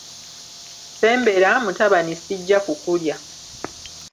Ssembera, mutabani, sijja kukulya.